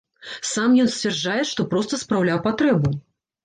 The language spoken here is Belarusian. Сам ён сцвярджае, што проста спраўляў патрэбу.